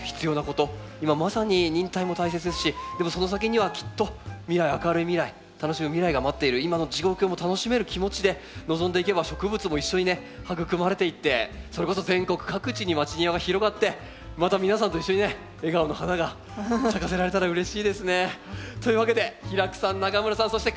今まさに忍耐も大切ですしでもその先にはきっと未来明るい未来楽しむ未来が待っている今の状況も楽しめる気持ちで臨んでいけば植物も一緒にね育まれていってそれこそ全国各地にまちニワが広がってまた皆さんと一緒にね笑顔の花が咲かせられたらうれしいですね。というわけで平工さん永村さんそして会場の皆様